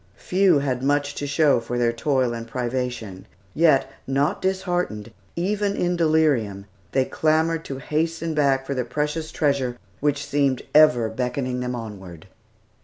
Few had much to show for their toil and privation; yet, not disheartened, even in delirium, they clamored to hasten back for the precious treasure which seemed ever beckoning them onward.